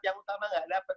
yang utama nggak dapat